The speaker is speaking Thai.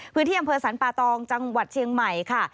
พื้นที่อำเภอสรรปาตองจังหวัดเชียงใหม่ค่ะ